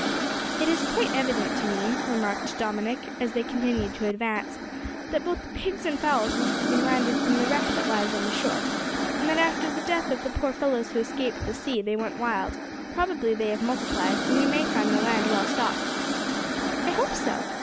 "It is quite evident to me," remarked Dominick, as they continued to advance, "that both the pigs and fowls must have been landed from the wreck that lies on the shore, and that, after the death of the poor fellows who escaped the sea, they went wild. Probably they have multiplied, and we may find the land well stocked." "I hope so.